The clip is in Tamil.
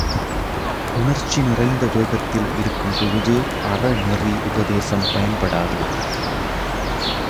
உணர்ச்சி நிறைந்த வேகத்தில் இருக்கும் பொழுது அறநெறி உபதேசம் பயன்படாது.